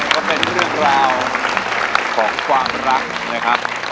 ก็เป็นเรื่องราวของความรักนะครับ